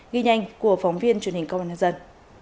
ghi nhanh của phóng viên truyền hình công an nhân dân